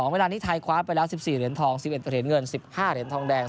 เวลานี้ไทยคว้าไปแล้ว๑๔เหรียญทอง๑๑เหรียญเงิน๑๕เหรียญทองแดง